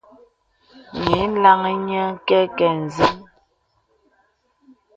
Nyìlaŋ nyə̄ nə kɛkɛ ǹzən.